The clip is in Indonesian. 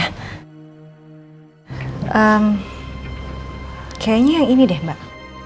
hmm kayaknya yang ini deh mbak